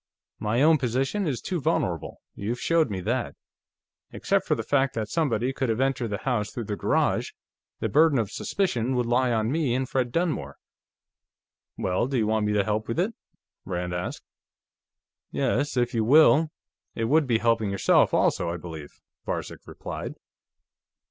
"My own position is too vulnerable; you've showed me that. Except for the fact that somebody could have entered the house through the garage, the burden of suspicion would lie on me and Fred Dunmore." "Well, do you want me to help you with it?" Rand asked. "Yes, if you will. It would be helping yourself, also, I believe," Varcek replied.